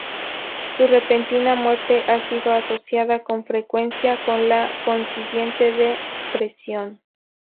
Su repentina muerte ha sido asociada con frecuencia con la consiguiente depresión.